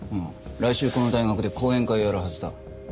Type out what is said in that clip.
来週この大学で講演会をやるはずだ。